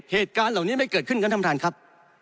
เหตุการณ์เหล่านี้ไม่เกิดขึ้นครับท่านประธานครับ